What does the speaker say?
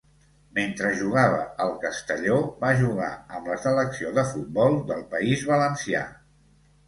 Mentre jugava al Castelló va jugar amb la selecció de futbol del País Valencià.